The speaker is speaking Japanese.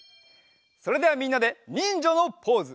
それではみんなでにんじゃのポーズ！